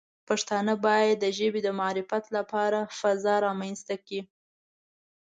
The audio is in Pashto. پښتانه باید د ژبې د معرفت لپاره فضا رامنځته کړي.